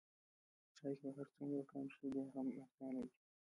چای که هر څومره کم شي بیا هم ارزانه دی.